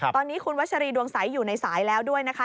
ตอนนี้คุณวัชรีดวงใสอยู่ในสายแล้วด้วยนะคะ